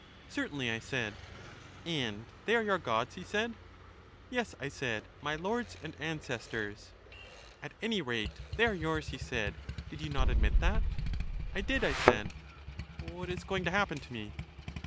Certainly, I said. And they are your gods, he said. Yes, I said, my lords and ancestors. At any rate they are yours, he said, did you not admit that ? I did, I said; what is going to happen to me?